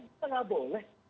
itu gak boleh